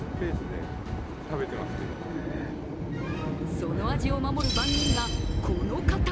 その味を守る番人が、この方。